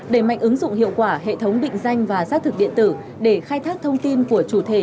đẩy mạnh ứng dụng hiệu quả hệ thống định danh và xác thực điện tử để khai thác thông tin của chủ thể